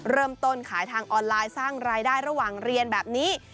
เริ่มต้นขายทางออนไลน์สร้างรายได้ระหว่างเรียนแบบนี้